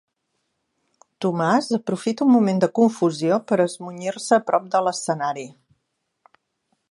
Tomàs aprofita un moment de confusió per esmunyir-se a prop de l'escenari.